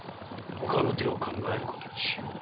ほかの手を考える事にしよう。